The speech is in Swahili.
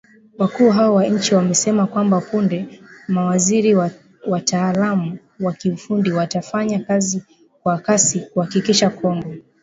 Wakuu hao wa nchi wamesema kwamba punde , mawaziri na wataalamu wa kiufundi watafanya kazi kwa kasi kuhakikisha Kongo